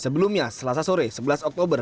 sebelumnya selasa sore sebelas oktober